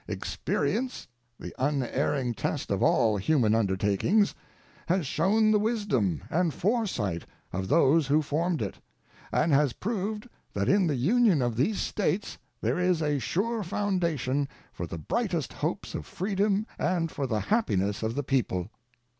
Experience, the unerring test of all human undertakings, has shown the wisdom and foresight of those who formed it, and has proved that in the union of these States there is a sure foundation for the brightest hopes of freedom and for the happiness of the people.